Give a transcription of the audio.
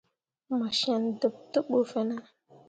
Mo cen ɗeɓ te bu fine ?